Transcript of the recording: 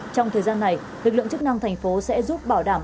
trong thời gian này lực lượng chức năng thành phố sẽ giúp bảo đảm